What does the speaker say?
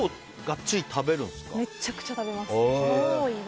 めちゃくちゃ食べます。